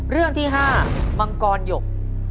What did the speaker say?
เรื่องที่๕มังกรหยก